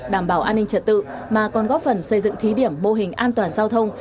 đảm bảo an ninh trật tự mà còn góp phần xây dựng thí điểm mô hình an toàn giao thông